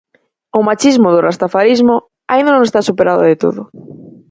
O machismo do rastafarismo aínda non está superado de todo.